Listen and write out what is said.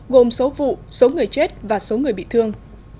gồm số vụ số người chết và số người bị thương